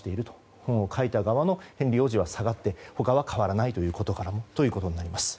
本を書いた側のヘンリー王子は下がって他は変わらないということからも分かります。